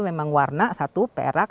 memang warna satu perak